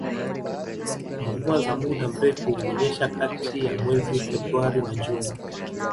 Mvua za muda mrefu hunyesha kati ya mwezi Februari na Juni